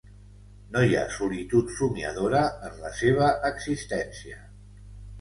No hi ha solitud somiadora en la seva existència.